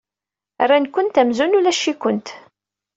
Rran-kent amzun ulac-ikent.